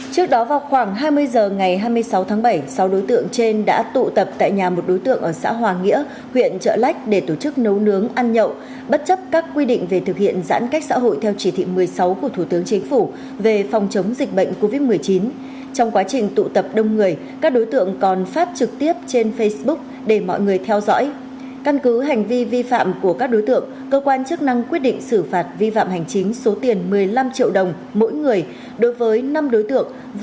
công an xã hoàng nghĩa huyện trợ lách tỉnh bến tre đã trao quyết định xử phạt vi phạm hành chính đối với sáu đối tượng về hành vi không thực hiện quyết định áp dụng biện pháp hạn chế tập trung